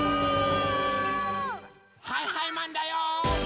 はいはいマンだよ！